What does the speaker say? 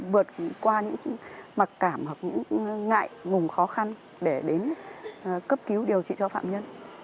vượt qua những mặc cảm hoặc những ngại ngùng khó khăn để đến cấp cứu điều trị cho phạm nhân